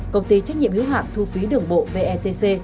công ty trách nhiệm hiếu hạn thu phí đường bộ vetc